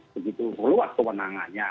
begitu perlu waktu penangannya